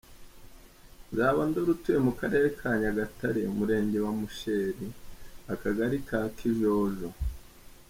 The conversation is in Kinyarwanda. Nzabandora atuye mu karere ka Nyagatare, umurenge wa Musheri, akagari ka Kijojo.